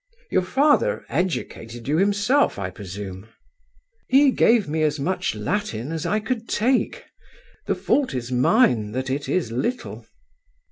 "Your father educated you himself, I presume?" "He gave me as much Latin as I could take. The fault is mine that it is little."